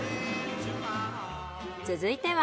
続いては。